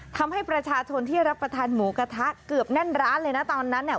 ทำให้ประชาชนที่จะรับประทับหูกะทะเกือบแน่นร้านตอนนั้น